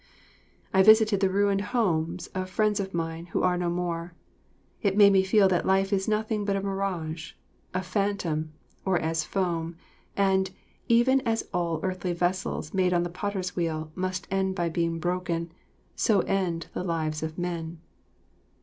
I visited the ruined homes of friends of mine, who are no more. It made me feel that life is nothing but a mirage, a phantom, or as foam, and "even as all earthly vessels made on the potter's wheel must end by being broken, so end the lives of men."